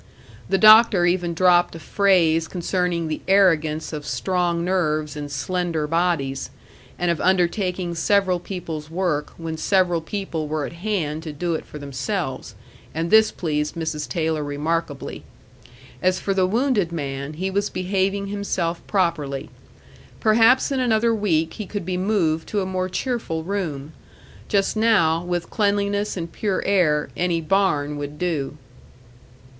The doctor even dropped a phrase concerning the arrogance of strong nerves in slender bodies, and of undertaking several people's work when several people were at hand to do it for themselves, and this pleased Mrs. Taylor remarkably. As for the wounded man, he was behaving himself properly. Perhaps in another week he could be moved to a more cheerful room. Just now, with cleanliness and pure air, any barn would do.